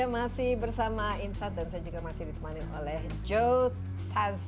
masih bersama insight dan saya juga masih ditemani oleh joe taza